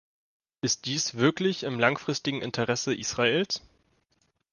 Ist dies wirklich im langfristigen Interesse Israels?